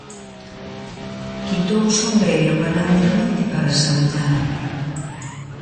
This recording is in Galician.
Quitou o sombreiro galantemente para saudalo.